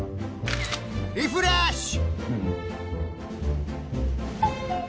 リフレッシュ！